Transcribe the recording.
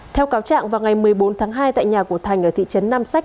theo cáo trạng vào ngày một mươi bốn tháng hai tại nhà của thành ở thị trấn nam sách